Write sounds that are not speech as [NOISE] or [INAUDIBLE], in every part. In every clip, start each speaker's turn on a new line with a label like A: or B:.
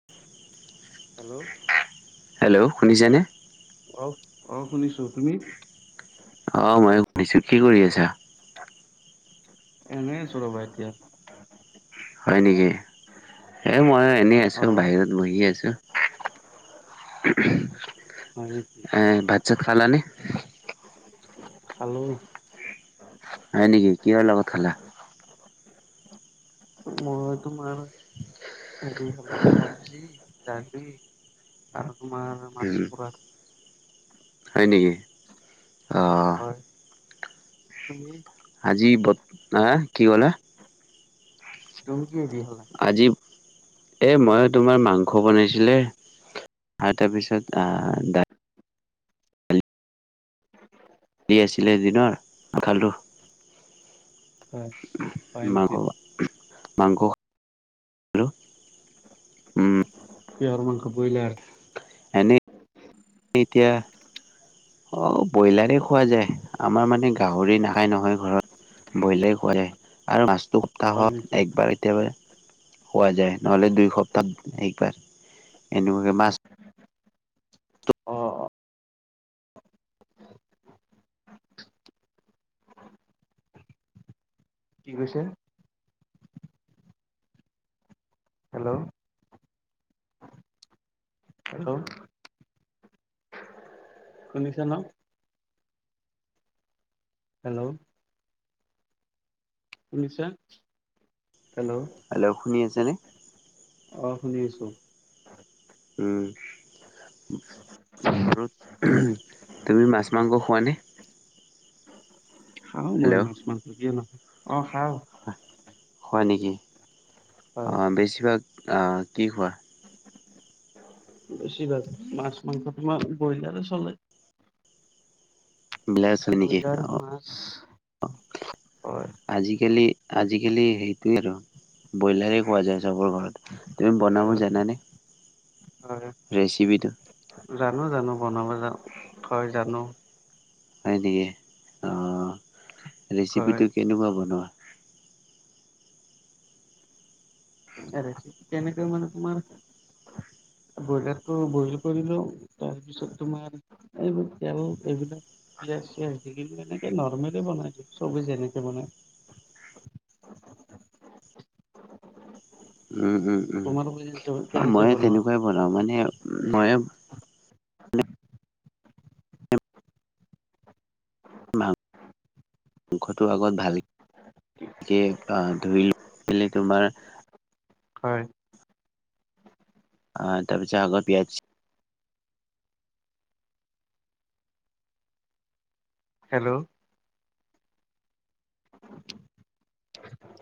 A: [UNINTELLIGIBLE]
B: Hello
A: hello শুনিছেনে?
B: অ' অ' শুনিছোঁ। তুমি?
A: অ' ময়ো শুনিছোঁ। কি কৰি আছা?
B: এনেই আছো ৰ'বা এতিয়া।
A: হয় নেকি, এই মইয়ো এনেই
B: অ
A: আছোঁ বাহিৰত বহি আছোঁ।
B: হয় নেকি
A: এ ভাত ছাত খালানে?
B: খালোঁ।
A: হয় নেকি, কিহৰ লগত খালা?
B: ম‌ই তোমাৰ হৰি খালো, চবজি দালি আৰু তোমাৰ মাছ
A: উম
B: পোৰা।
A: হয় নেকি? অঁ
B: হয় তুমি?
A: আজি ব, আ কি ক'লা?
B: তুমি কিহে দি খালা?
A: আজি এই মইয়ো তোমাৰ মাংস বনাইছিলে। আৰু তাৰ পিছত আহ দা আছিলে দিনৰ, খালো
B: হয় হয় নেকি
A: মাংস ভাত। মাংস। খালোঁ। উম
B: কিহৰ মাংস, বইলাৰ?
A: এনেই এতিয়া অ' ব্ৰইলাৰে খোৱা যায়, আমাৰ মানে গাহৰি নাখায় নহয় ঘৰত। ব্ৰইলাৰে খোৱা যায় আৰু মাছটো
B: হয়
A: সপ্তাহত
B: নেকি
A: একবাৰে কেতিয়াবা খোৱা যায়, নহ'লে দুই সপ্তাহত একবাৰ এনেকুৱাকে মাছ
B: অ অ কি কৈছে? হেল্ল'অ‌ হেল্ল'অ শুনিছা ন? হেল্ল'অ শুনিছা হেল্ল'অ?
A: হেল্ল'অ শুনি আছেনে?
B: অ' শুনি আছোঁ।
A: উম। আৰু তুমি মাছ মাংস খোৱানে?
B: খাও মই
A: হেল্ল'
B: মাছ মাংস। কিয় নাখাম অ খাওঁ?
A: হয় নেকি অ
B: হয়
A: বেছিভাগ কি খোৱা?
B: বেছি ভাগ মাছ মাংস তোমাৰ ব্ৰইলাৰে চলে।
A: ব্ৰইলাৰ চলে নেকি
B: ব্ৰইলাৰ মাছ
A: আহ।
B: হয়
A: আজিকালি আজিকালি সেইটোৱেই আৰু। ব্ৰইলাৰেই খোৱা যায় চবৰ ঘৰত। তুমি
B: হয়
A: বনাব
B: হয়
A: জানানে?
B: হয়
A: ৰেচিপি টো
B: জানো জানো বনাব জানো হয় জানো।
A: হয় নেকি অঁ
B: হয়
A: ৰেচিপিটো কেনেকুৱা বনোৱা?
B: ৰেচেপি কেনেকৈ মানে তোমাৰ ব্ৰইলাৰটো বইল কৰি লওঁ তাৰপিছত তোমাৰ এইবোৰ তেল এইবিলাক পিঁয়াজ চিয়াজ দি কিনে এনেকে নৰ্মেলে বনাই দিও চবেই যেনেকে বনাই।
A: উম
B: তোমালোকে
A: উম
B: কেনেকে
A: মইয়ো
B: বনোৱা
A: তেনেকুৱাই বনাওঁ মানে মইয়ো মাংস মাংসটো আগত বাজি কে ধুই লৈ পেলাই তোমাৰ
B: হয়
A: অ তাৰ পিছত আগৰ পিঁয়াজ
B: হেল্ল'অ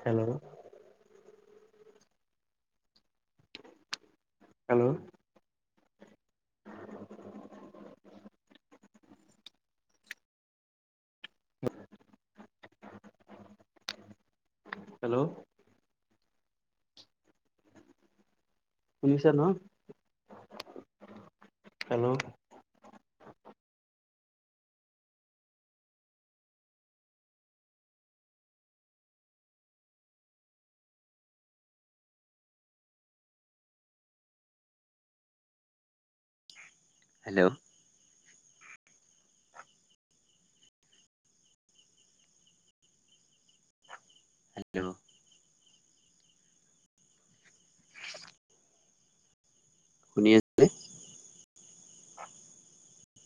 B: হেল্ল' হেল্ল' হেল্ল' শুনিছা ন? Hello
A: hello. হেল্ল'অ। [INAUDIBLE] কোনে আ